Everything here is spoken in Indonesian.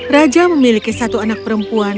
raja memiliki satu anak perempuan